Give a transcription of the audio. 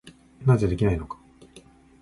なぜできないのか。